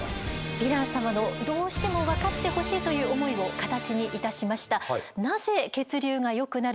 ヴィラン様のどうしても分かってほしいという思いを形にいたしました。